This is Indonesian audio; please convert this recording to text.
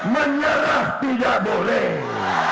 menyerah tidak boleh